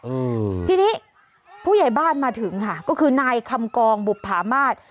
อืมทีนี้ผู้ใหญ่บ้านมาถึงค่ะก็คือนายคำกองบุภามาศ